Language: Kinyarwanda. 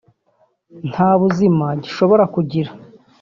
nta buzima gishobora kugira